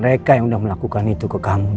mereka yang sudah melakukan itu ke kamu d